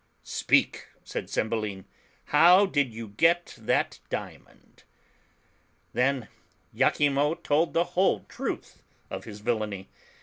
"Speak," said Cymbeline, "how did you get that diamond?" Then lachimo told the whole truth of his villainy.